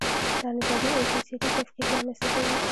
دا نژادي او جنسیتي تفکیک رامنځته کوي.